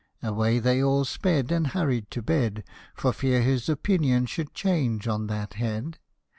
" Away they all sped And hurried to bed, For fear his opinion should change on that head.